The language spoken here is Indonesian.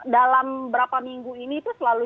dalam berapa minggu ini itu selalu